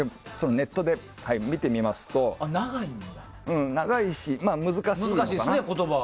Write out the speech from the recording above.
ネットで見てみますと長いし、難しいのかな。